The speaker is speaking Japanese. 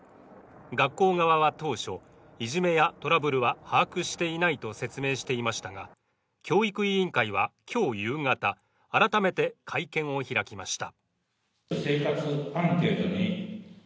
学校側は当初、いじめやトラブルは把握していないと説明していましたが教育委員会は今日、夕方改めて会見を開きました。